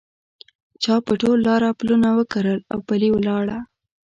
چا په ټول لاره پلونه وکرل اوپلي ولاړه